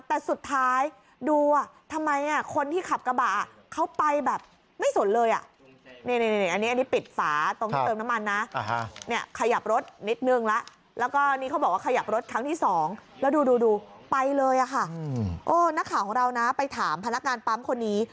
แต่สุดท้ายดูอ่ะทำไมอ่ะคนที่ขับกระบะอ่ะเขาไปแบบไม่สนเลยอ่ะนี่